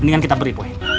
mendingan kita beri poe